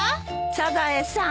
・サザエさん。